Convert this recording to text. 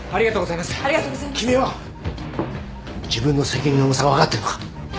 君は自分の責任の重さが分かってるのか？